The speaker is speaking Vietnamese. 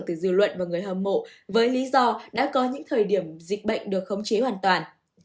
từ dư luận và người hâm mộ với lý do đã có những thời điểm dịch bệnh được khống chế hoàn toàn